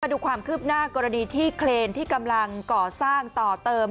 ดูความคืบหน้ากรณีที่เครนที่กำลังก่อสร้างต่อเติม